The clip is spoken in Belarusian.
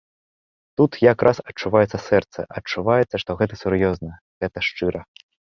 Тут як раз адчуваецца сэрца, адчуваецца, што гэта сур'ёзна, гэта шчыра.